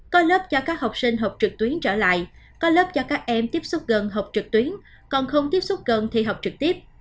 có lớp cho các học sinh học trực tuyến trở lại có lớp cho các em tiếp xúc gần học trực tuyến còn không tiếp xúc gần thi học trực tiếp